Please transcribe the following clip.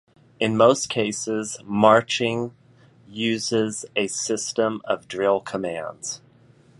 In most cases, marching uses a system of drill commands.